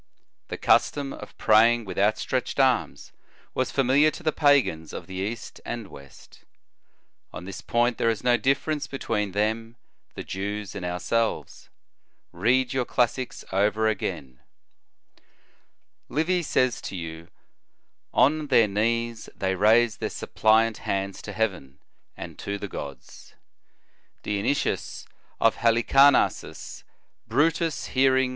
The custom of praying with outstretched arms was famil iar to the pagans of the East and West. On this point there is no difference between them, the Jews, and ourselves. Read your classics over again. Livy says to you: "On their knees, they raised their suppliant hands to heaven, and to the gods."f Dionysius of Halicarnassus: "Brutus, hear *Satur., lib. iii. c. 2. fLib. xxxvi. In the Nineteenth Century.